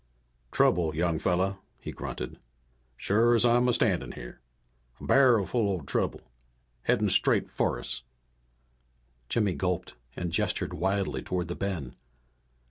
"Trouble, young fella," he grunted. "Sure as I'm a standin' here. A barrelful o' trouble headin' straight for us!" Jimmy gulped and gestured wildly toward the bend.